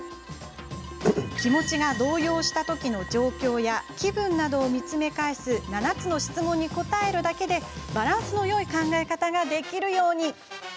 気持ちが動揺したときの状況や気分などを見つめ返す７つの質問に答えるだけでバランスのよい考え方ができるように。